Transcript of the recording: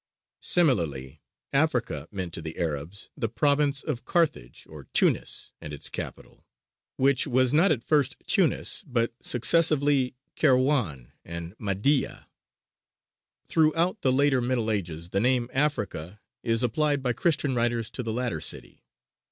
Similarly "Africa" meant to the Arabs the province of Carthage or Tunis and its capital, which was not at first Tunis but successively Kayrawān and Mahdīya. Throughout the later middle ages the name "Africa" is applied by Christian writers to the latter city.